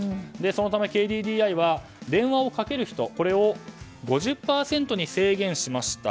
そのためＫＤＤＩは電話をかける人を５０％に制限しました。